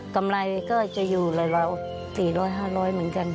กำไรก็จะอยู่ราว๔๐๐๕๐๐เหมือนกัน